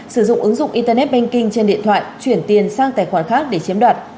sử dụng ứng dụng internet banking trên điện thoại chuyển tiền sang tài khoản khác để chiếm đoạt